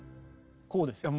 こうですよ。